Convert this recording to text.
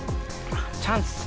チャンス。